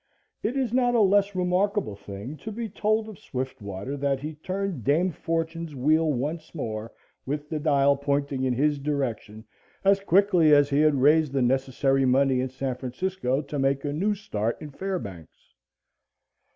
It is not a less remarkable thing to be told of Swiftwater that he turned Dame Fortune's wheel once more with the dial pointing in his direction as quickly as he had raised the necessary money in San Francisco to make a new start in Fairbanks.